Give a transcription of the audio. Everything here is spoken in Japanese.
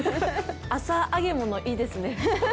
朝揚げ物、いいですね。